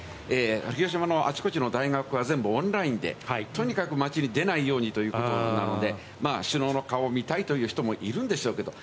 広島のあちこちの大学は全部オンラインで、とにかく街に出ないようにということなので、首脳の顔を見たいという人もいるんでしょうけれども、